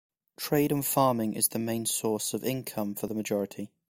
Trade and farming is the main source of income for the majority.